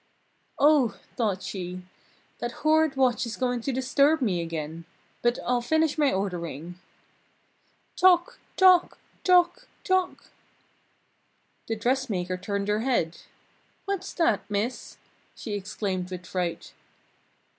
"Oh!" thought she, "that horrid watch is going to disturb me again! But I'll finish my ordering!" "Toc! Toc! Toc! Toc!" The dressmaker turned her head. "What's that, Miss?" she exclaimed with fright.